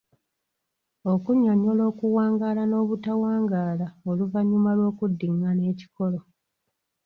Okunnyonnyola okuwangaala n’obutawangaala oluvannyuma lw’okuddingaana ekikolo.